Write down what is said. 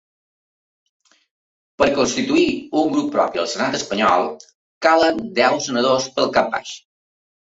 Per constituir un grup propi al senat espanyol calen deu senadors pel cap baix.